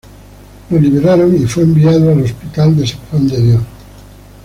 Lo liberaron y fue enviado al hospital de San Juan de Dios.